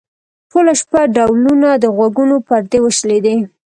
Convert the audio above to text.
ټوله شپه ډولونه؛ د غوږونو پردې وشلېدې.